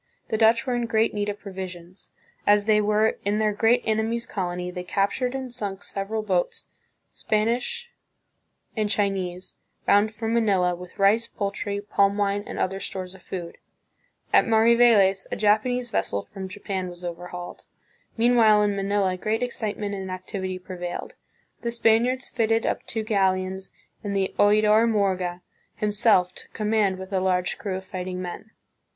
The Dutch were in great need of provisions. As they were in their great enemy's colony, they captured and sunk several boats, Spanish and Chi 1 Zuniga: Historia de Filipinas, pp. 195, 196. CONQUEST AND SETTLEMENT, 1565 1600. 155 nese, bound for Manila with rice, poultry, palm wine, and other stores of food. At Mariveles, a Japanese vessel from Japan was overhauled. Meanwhile in Manila great excitement and activity prevailed. The Spaniards fitted up two galleons and the Oidor Morga himself took com mand with a large crew of fighting men.